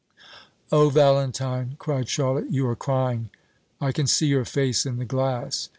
"O Valentine!" cried Charlotte, "you are crying; I can see your face in the glass."